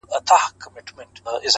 هره پوښتنه د کشف نوی سفر دی!